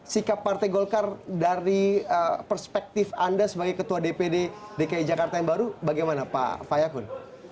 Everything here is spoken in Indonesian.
sikap partai golkar dari perspektif anda sebagai ketua dpd dki jakarta yang baru bagaimana pak fayakun